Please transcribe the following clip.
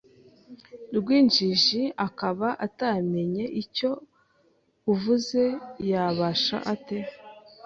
rw injiji akaba atamenye icyo uvuze yabasha ate